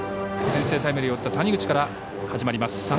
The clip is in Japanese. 先制タイムリーを打った谷口から始まります。